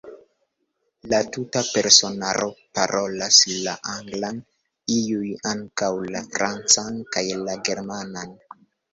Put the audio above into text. La tuta personaro parolas la anglan, iuj ankaŭ la francan kaj la germanan.